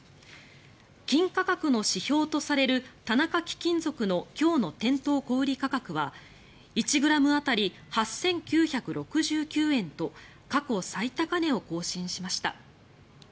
金価格の指標とされる田中貴金属の今日の店頭小売価格は１ｇ当たり８９６９円と過去最高値を更新しました。